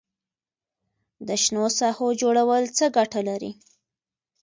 د شنو ساحو جوړول څه ګټه لري؟